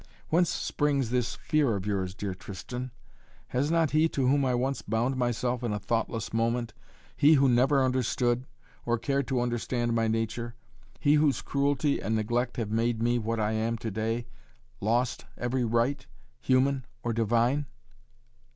Whence springs this fear of yours, dear Tristan? Has not he to whom I once bound myself in a thoughtless moment, he who never understood, or cared to understand my nature, he whose cruelty and neglect have made me what I am to day, lost every right, human or divine?